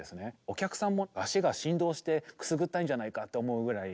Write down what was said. お客さんも足が振動してくすぐったいんじゃないかと思うぐらい。